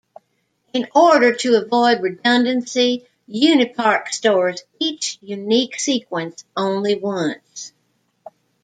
In order to avoid redundancy, UniParc stores each unique sequence only once.